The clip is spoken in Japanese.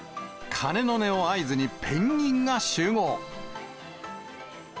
鐘の音を合図にペンギンが集合。